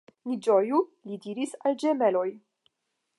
Ni ĝoju, li diris al ĝemeloj.